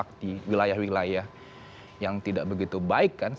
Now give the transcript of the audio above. yang langsung terdampak di wilayah wilayah yang tidak begitu baik kan